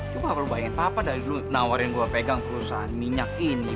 coba lu bayangin papa dari dulu nawarin gua pegang perusahaan minyak ini